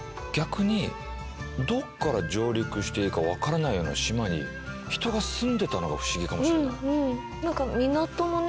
逆にどこから上陸していいか分からないような島に人が住んでたのが不思議かもしれない。